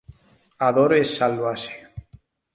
A dor é salvaxe.